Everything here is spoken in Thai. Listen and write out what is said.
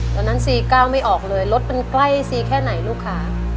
ตอนนั้นซีก้าวไม่ออกเลยรถมันใกล้ซีแค่ไหนลูกค้า